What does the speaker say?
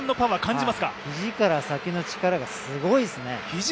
肘から先の力がすごいですね。